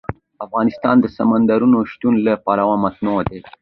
افغانستان د سمندر نه شتون له پلوه متنوع دی.